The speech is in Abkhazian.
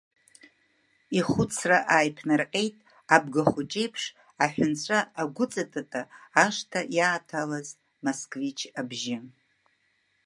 Ихәыцра ааиԥнарҟьеит абгахәыҷы еиԥш, аҳәынҵәа агәыҵатата ашҭа иааҭалаз Москвич абжьы.